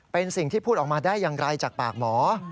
เป็นสิ่งที่พูดออกมาได้อย่างไรจากปากหมอ